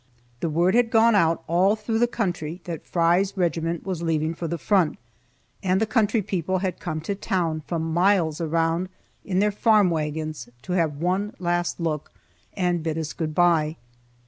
The word had gone out, all through the country, that Fry's regiment was leaving for the front, and the country people had come to town, from miles around, in their farm wagons, to have one last look, and bid us good bye.